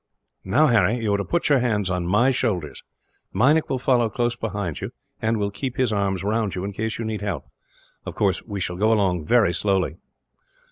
"Now, Harry, you are to put your hands on my shoulders. Meinik will follow close behind you, and will keep his arms round you, in case you need help. Of course, we shall go along very slowly."